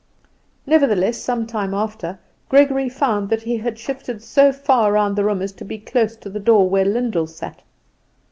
Nevertheless, some time after Gregory found he had shifted so far round the room as to be close to the door where Lyndall sat.